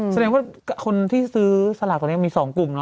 แสดงว่าคนที่ซื้อสลากตอนนี้มี๒กลุ่มเน